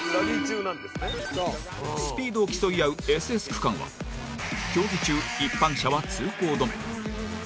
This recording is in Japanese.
スピードを競い合うＳＳ区間は競技中、一般車は通行止め。